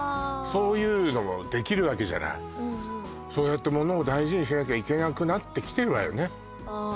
そういうのもできるわけじゃないそうやってものを大事にしなきゃいけなくなってきてるわよねああ